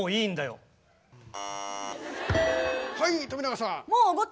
はい富永さん。